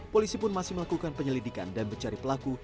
polisi pun masih melakukan penyelidikan dan mencari pelaku